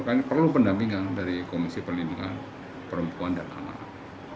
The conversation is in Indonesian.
karena perlu pendampingan dari komisi perlindungan perempuan dan anak